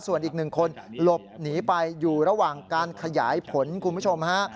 ส่วนอีกหนึ่งคนหลบหนีไปอยู่ระหว่างการขยายผลคุณผู้ชมฮะ